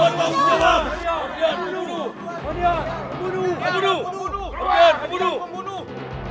mardian kamu bunuh